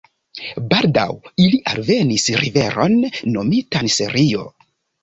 Baldaŭ ili alvenis riveron, nomitan Serio.